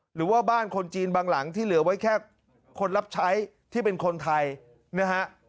หรือว่าบ้านคนจีนบางหลังที่เหลือไว้แค่คนรับใช้ที่เป็นคนไทยนะฮะ